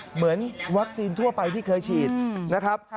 เหมือนวัคซีนทั่วไปที่เคยฉีดนะครับ